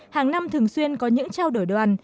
hàng năm thường xuyên có những trao đổi đoàn